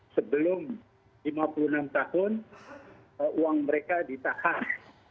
sebelum lima puluh enam tahun uang mereka ditahan